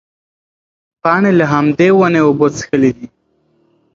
پاڼې له همدې ونې اوبه څښلې دي.